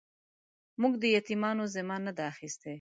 موږ د يتيمانو ذمه نه ده اخيستې.